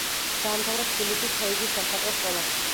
დაამთავრა თბილისის თოიძის სამხატვრო სკოლა.